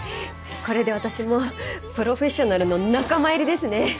これで私もプロフェッショナルの仲間入りですね！